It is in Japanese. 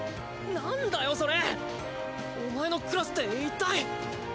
何だよそれ！？お前のクラスっていったい。